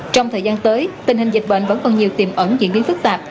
trong thời gian tới tình hình dịch bệnh vẫn còn nhiều tiềm ẩn diễn biến phức tạp